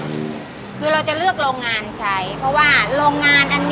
คือเราจะเลือกโรงงานใช้